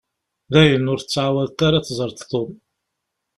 Dayen, ur tettεawadeḍ ad teẓreḍ Tom.